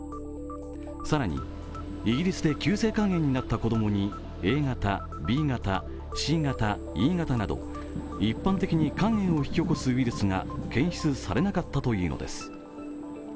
更に、イギリスで急性肝炎になった子供にＡ型、Ｂ型、Ｃ型、Ｅ型など、一般的に肝炎を引き起こすウイルスが検出されなかったといいます。